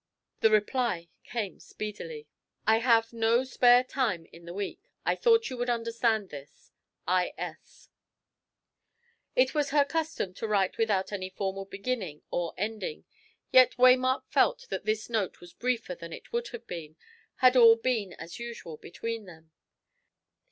The reply came speedily. "I have no spare time in the week. I thought you would understand this. I. S." It was her custom to write without any formal beginning or ending; yet Waymark felt that this note was briefer than it would have been, had all been as usual between them.